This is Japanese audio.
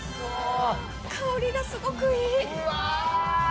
香りがすごくいい。